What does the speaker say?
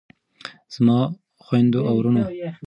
زما خویندو او وروڼو.